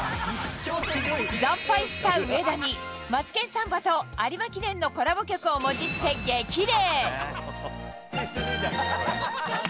惨敗した上田に、マツケンサンバと有馬記念のコラボ曲をもじって激励。